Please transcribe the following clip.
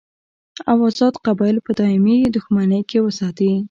او ازاد قبایل په دایمي دښمنۍ کې وساتي.